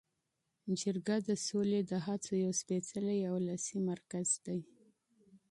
جرګه د سولې د هڅو یو سپیڅلی او ولسي مرکز دی.